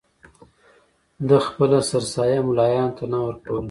ده خپله سرسایه ملایانو ته نه ورکوله.